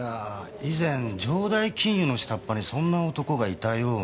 以前城代金融の下っ端にそんな男がいたような。